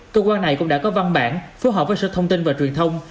cơ quan này cũng đã có văn bản phối hợp với sở thông tin và truyền thông